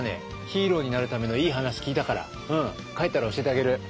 ヒーローになるためのいい話聞いたから帰ったら教えてあげる。